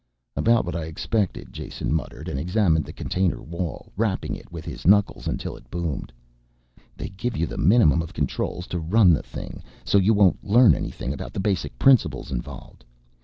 "About what I expected," Jason muttered and examined the container wall, rapping it with his knuckles until it boomed. "They give you the minimum of controls to run the thing, so you won't learn anything about the basic principles involved.